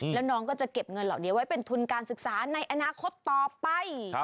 แล้วน้องก็จะเก็บเงินเหล่านี้ไว้เป็นทุนการศึกษาในอนาคตต่อไป